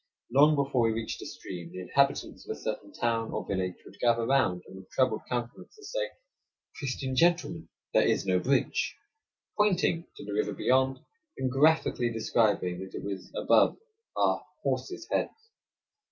Long before we reached a stream, the inhabitants of a certain town or village would gather round, and with troubled countenances say, "Christian gentlemen — there is no bridge," pointing to the river beyond, and graphically describing that it was over our horses' heads.